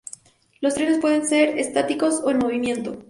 Los trenes pueden ser estáticos o en movimiento.